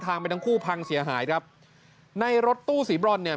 ไปทั้งคู่พังเสียหายครับในรถตู้สีบรอนเนี่ย